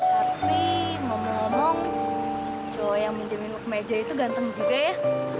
tapi ngomong ngomong cowok yang minjemin kemeja itu ganteng juga ya